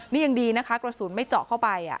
นี่ยังดีนะคะกระสุนไม่เจาะเข้าไป